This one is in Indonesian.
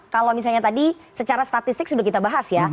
kalau misalnya tadi secara statistik sudah kita bahas ya